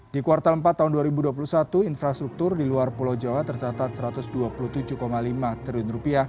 di kuartal empat tahun dua ribu dua puluh satu infrastruktur di luar pulau jawa tercatat rp satu ratus dua puluh tujuh lima triliun